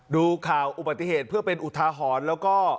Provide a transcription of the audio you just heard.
ดูค่าอุปหฑนเป้อเป็นโหนกแล้วก็